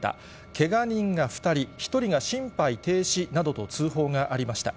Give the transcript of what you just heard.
けが人が２人、１人が心肺停止などと通報がありました。